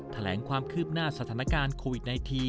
แถลงความคืบหน้าสถานการณ์โควิด๑๙